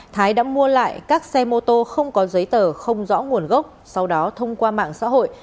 hai nghìn hai mươi hai thái đã mua lại các xe mô tô không có giấy tờ không rõ nguồn gốc sau đó thông qua mạng xã hội